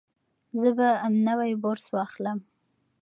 زه به نوی برس واخلم.